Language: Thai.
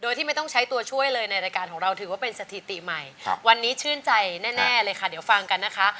โดยที่ไม่ต้องใช้ตัวช่วยเลยในรายการของเราถือว่าเป็นสถิติใหม่วันนี้ชื่นใจแน่เลยค่ะเดี๋ยวฟังกันนะคะ